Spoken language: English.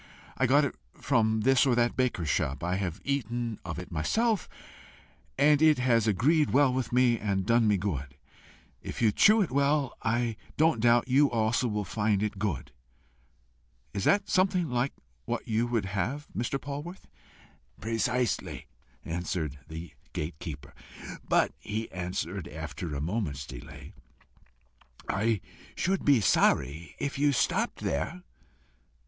I got it from this or that baker's shop. I have eaten of it myself, and it has agreed well with me and done me good. If you chew it well, I don't doubt you also will find it good.' Is that something like what you would have, Mr. Polwarth?" "Precisely," answered the gate keeper. "But," he added, after a moment's delay, "I should be sorry if you stopped there."